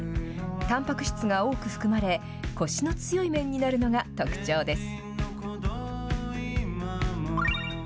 たんぱく質が多く含まれコシの強い麺になるのが特徴です。